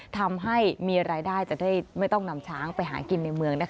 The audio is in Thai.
ทำให้มีรายได้จะได้ไม่ต้องนำช้างไปหากินในเมือง